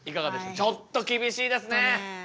ちょっと厳しいですね。